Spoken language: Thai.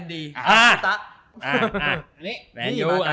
นี่มาไก่